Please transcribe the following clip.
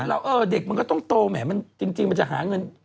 ถ้าสมมุติอ่ะเด็กมันก็ต้องโตนะจริงมันจะหาเงิน